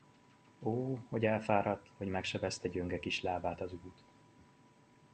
Ó, hogy elfáradt, hogy megsebezte gyönge kis lábát az út!